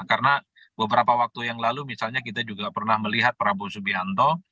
karena beberapa waktu yang lalu misalnya kita juga pernah melihat prabowo giuran subianto